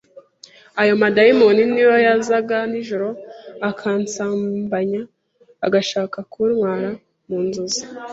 Ayo madayimoni ni yo yazaga nijoro akansambanya, agashaka kuntwara mu nzozi.